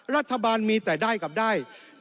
รัฐบาลมีแต่ได้กับได้